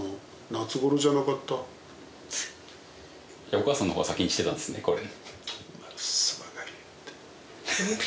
お母さんの方が先に知ってたんすねこれ。